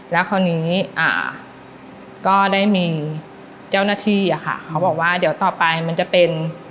แล้วคราวนี้ก็ได้มีเจ้าหน้าที่อะค่ะเขาบอกว่าเดี๋ยวต่อไปมันจะเป็น